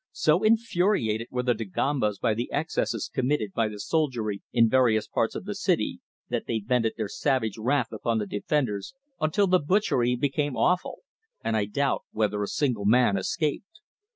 So infuriated were the Dagombas by the excesses committed by the soldiery in various parts of the city, that they vented their savage wrath upon the defenders until the butchery became awful, and I doubt whether a single man escaped.